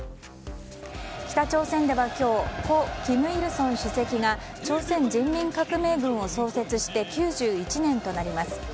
北朝鮮では今日故・金日成主席が朝鮮人民革命軍を創設して９１年となります。